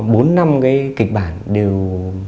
bốn năm cái kịch bản đều